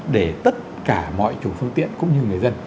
để tất cả mọi chủ phương tiện cũng như người dân